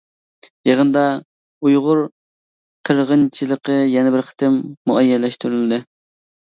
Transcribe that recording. يىغىندا ئۇيغۇر قىرغىنچىلىقى يەنە بىر قېتىم مۇئەييەنلەشتۈرۈلدى.